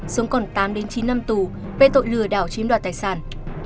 sống còn tám đến chín năm tù về tội lừa đảo chiếm đoạt tài sản